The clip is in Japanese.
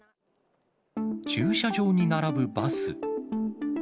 駐車場に並ぶバス。